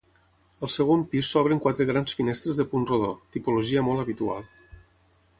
Al segon pis s'obren quatre grans finestres de punt rodó, tipologia molt habitual.